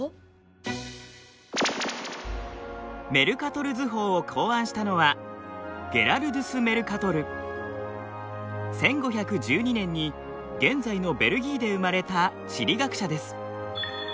メルカトル図法を考案したのは１５１２年に現在のベルギーで生まれた地理学者です。